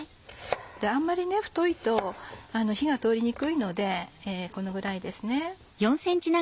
あんまり太いと火が通りにくいのでこのぐらいですね。